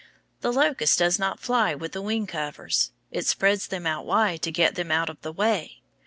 The locust does not fly with the wing covers. It spreads them out wide to get them out of the way.